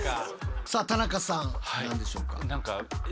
さあ田中さん何でしょうか？